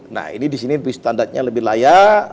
nah ini disini standarnya lebih layak